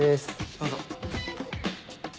どうぞ。